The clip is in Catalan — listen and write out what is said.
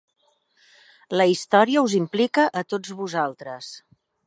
La història us implica a tots vosaltres.